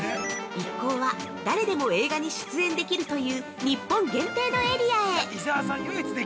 ◆一行は、誰でも映画に出演できるという日本限定のエリアへ！